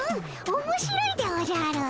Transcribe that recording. おもしろいでおじゃる。